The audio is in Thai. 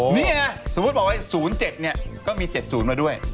นี่ไงสมมุติบอกว่า๐๗เนี่ยก็มี๗๐มาด้วย